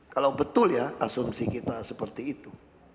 kalau betul ya asumsi kita seperti itu